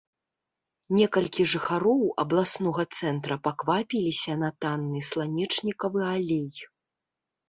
Некалькі жыхароў абласнога цэнтра паквапіліся на танны сланечнікавы алей.